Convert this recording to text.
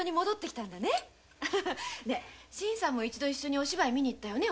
新さんも一度お芝居見に行ったよね